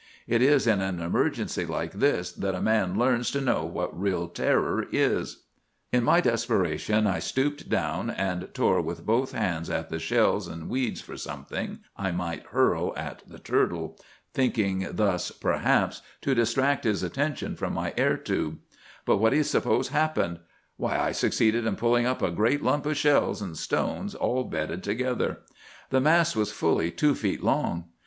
It is in an emergency like this that a man learns to know what real terror is. [Illustration: "It seemed to strike Him as decidedly Queer."—Page 140.] "'In my desperation I stooped down and tore with both hands at the shells and weeds for something I might hurl at the turtle, thinking thus perhaps to distract his attention from my air tube. But what do you suppose happened? Why, I succeeded in pulling up a great lump of shells and stones all bedded together. The mass was fully two feet long.